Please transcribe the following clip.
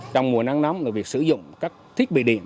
trong mùa nắng nóng việc sử dụng các thiết bị điện